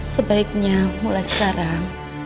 sebaiknya mulai sekarang